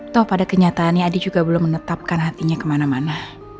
toh pada kenyataannya adi juga belum menetapkan hatinya kemana mana